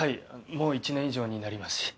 もう１年以上になりますし。